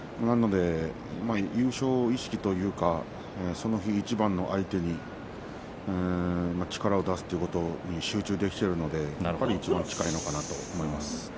優勝を意識というかその日、一番の相手に力を出すということに集中できているので優勝に近いのかなと思います。